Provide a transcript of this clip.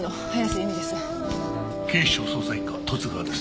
警視庁捜査一課十津川です。